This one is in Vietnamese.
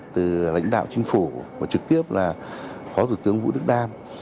từ lãnh đạo chính phủ và trực tiếp là phó thủ tướng vũ đức đam